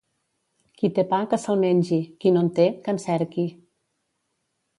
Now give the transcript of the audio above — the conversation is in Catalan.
Qui té pa, que se'l mengi, qui no en té, que en cerqui.